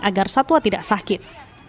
agar satwa tidak sakit